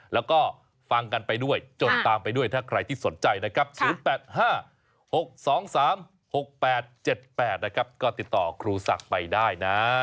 แล้วก็ฟังกันไปด้วยจนตามไปด้วยถ้าใครที่สนใจนะครับ๐๘๕๖๒๓๖๘๗๘นะครับก็ติดต่อครูศักดิ์ไปได้นะ